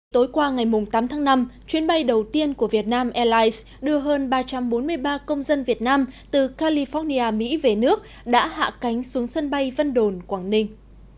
tối qua ngày tám tháng năm chuyến bay đầu tiên của việt nam airlines đưa hơn ba trăm bốn mươi ba công dân việt nam từ california mỹ về nước đã hạ cánh xuống sân bay vân đồn quảng ninh